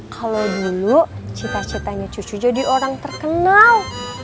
kalau dulu cita citanya cucu jadi orang terkenal